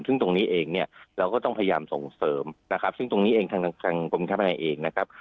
ซึ่งตรงนี้เองเนี่ยเราก็ต้องพยายามส่งเสริมนะครับซึ่งตรงนี้เองทางกรมค้าภายในเองนะครับ